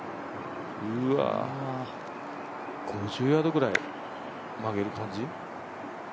うわ、５０ヤードぐらい曲げる感じ？